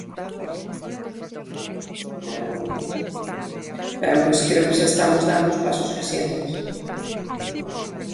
Ben, pois creo que xa estamos dando os pasos suficientes.